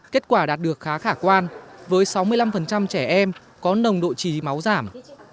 kết quả đạt được khá khả quan với sáu mươi năm trẻ em có nồng độ trí máu giảm